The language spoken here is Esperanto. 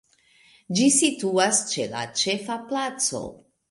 Ĝi situas ĉe la Ĉefa Placo.